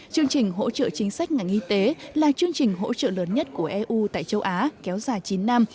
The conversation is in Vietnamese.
chương trình hỗ trợ chính sách ngành y tế là chương trình hỗ trợ lớn nhất của eu tại châu á kéo dài chín năm